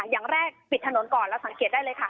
อย่างแรกปิดถนนก่อนเราสังเกตได้เลยค่ะ